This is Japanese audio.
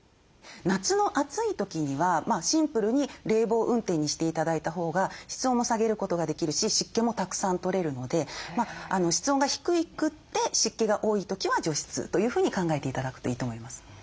夏の暑い時にはシンプルに冷房運転にして頂いたほうが室温も下げることができるし湿気もたくさん取れるので室温が低くて湿気が多い時は除湿というふうに考えて頂くといいと思います。